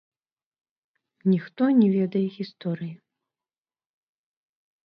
Ніхто не ведае гісторыі.